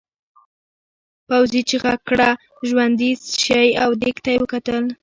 پوځي چیغه کړه ژوندي شئ او دېگ ته یې وکتل.